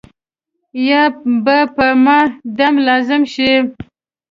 یا به په ما دم لازم شي.